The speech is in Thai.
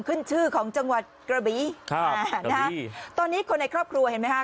ขึ้นชื่อของจังหวัดกระบีตอนนี้คนในครอบครัวเห็นไหมคะ